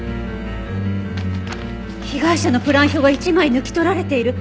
被害者のプラン表が１枚抜き取られている。